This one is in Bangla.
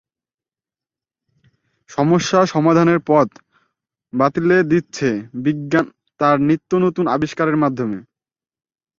সমস্যা সমাধানের পথ বাতলে দিচ্ছে বিজ্ঞান তার নিত্যনতুন আবিষ্কারের মাধ্যমে।